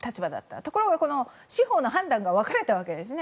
ところが司法の判断が分かれたわけですね。